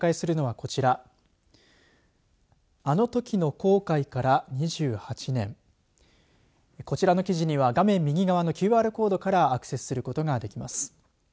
こちらの記事には画面右側のＱＲコードからアクセスすることができます。